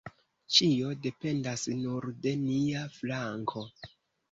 Ĉio dependas nur de nia flanko.